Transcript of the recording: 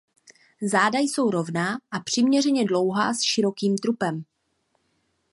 Záda jsou rovná a přiměřeně dlouhá s širokým trupem.